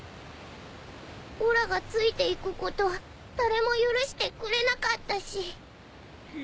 おらがついていくこと誰も許してくれなかったし。